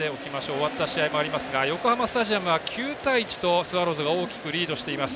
終わった試合もありますが横浜スタジアムは９対１と、スワローズが大きくリードしています。